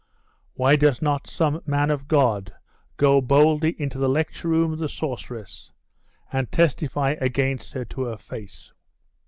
Why does not some man of God go boldly into the lecture room of the sorceress, and testify against her to her face?